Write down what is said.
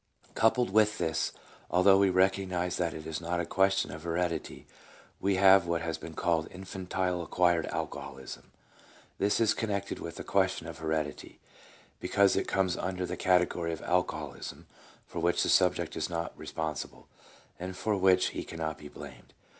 Coupled with this, although we recognize that it is not a question of heredity, we have what has been called " Infantile acquired alcoholism." This is connected with the question of heredity, because it comes under the category of alcoholism for which the subject is not responsible, and for which he cannot be blamed.